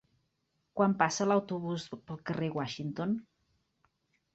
Quan passa l'autobús pel carrer Washington?